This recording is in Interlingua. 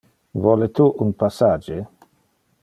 Vole tu un passage?